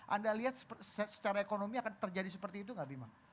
anda lihat secara ekonomi akan terjadi seperti itu nggak bima